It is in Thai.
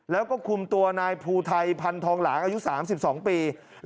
แล้วก็คุมตัวนายภูไทยพันธองหลางอายุ๓๒ปี